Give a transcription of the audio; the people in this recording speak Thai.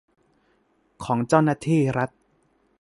ของเจ้าหน้าที่รัฐ